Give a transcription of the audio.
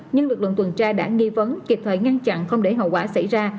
nhưng lực lượng tuần tra đã nghi vấn kịp thời ngăn chặn không để hậu quả xảy ra